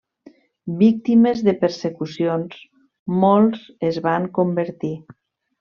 Víctimes de persecucions molts es van convertir.